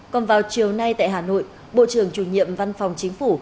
còn vào chiều nay tại hà nội bộ trưởng chủ nhiệm văn phòng chính phủ